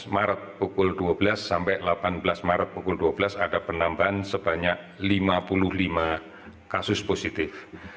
maret pukul dua belas sampai delapan belas maret pukul dua belas ada penambahan sebanyak lima puluh lima kasus positif